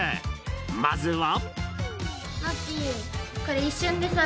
まずは。